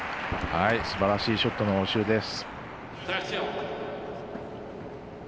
すばらしいショットの応酬です。